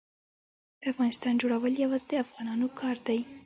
د افغانستان جوړول یوازې د افغانانو کار دی.